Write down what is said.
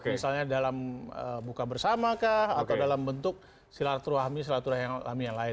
misalnya dalam buka bersamakah atau dalam bentuk silaturahmi silaturahmi yang lain